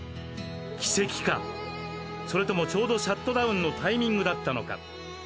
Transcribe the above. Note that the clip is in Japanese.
奇跡かそれともちょうどシャットダウンのタイミングだったのか？